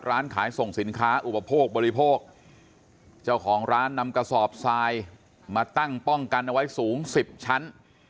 ร้านขายส่งสินค้าอุปโภคบริโภคเจ้าของร้านนำกระสอบทรายมาตั้งป้องกันเอาไว้สูง๑๐ชั้น